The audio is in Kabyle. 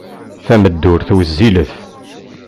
Tameddurt wezzilet.